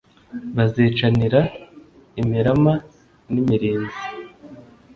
Bazicanira imirama n'imirinzi,